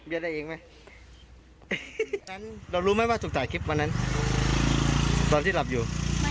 เรารู้ไหมว่าสุขจ่ายคลิปวันนั้นตอนที่หลับอยู่